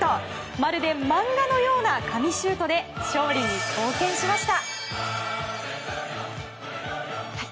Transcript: まるで漫画のような神シュートで勝利に貢献しました。